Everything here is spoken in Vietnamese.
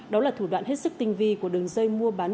đó là thủ đoạn hết sức tinh vi của đường dây mua bán